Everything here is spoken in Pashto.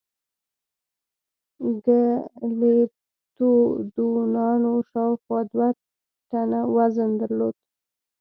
ګلیپتودونانو شاوخوا دوه ټنه وزن درلود.